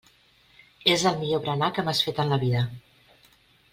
És el millor berenar que m'has fet en la vida.